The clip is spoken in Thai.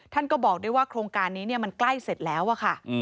ท่านก็บอกด้วยว่าโครงการนี้มันใกล้เสร็จแล้วอะค่ะ